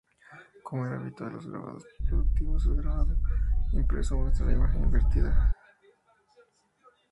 Como era habitual en los grabados reproductivos, el grabado impreso muestra la imagen invertida.